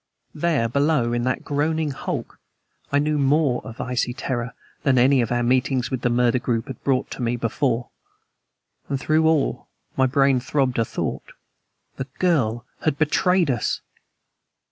There, below, in that groaning hulk, I knew more of icy terror than any of our meetings with the murder group had brought to me before; and through my brain throbbed a thought: the girl had betrayed us!